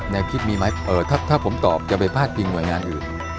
แนวคิดมีมั้ยถ้าผมตอบจะไปภาษาปีงหน่วยงานอื่น